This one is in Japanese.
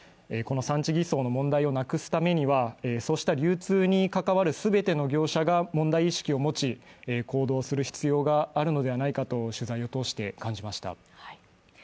この産地偽装の問題をなくすためには、そうした流通に関わる全ての業者が問題意識を持ち、行動する必要があるのではないかと取材を通して感じました。